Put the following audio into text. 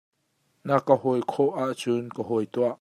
Na ka hawi khawh ah cun ka hawi tuah.